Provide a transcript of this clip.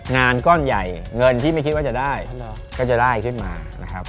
งานก้อนใหญ่เงินที่ไม่คิดว่าจะได้ก็จะได้ขึ้นมานะครับ